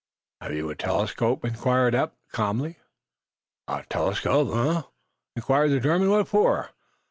"Have you a telescope?" inquired Eph, calmly. "A telescope. Eh?" inquired the German. "What for?"